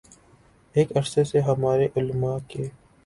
ایک عرصے سے ہمارے علما کے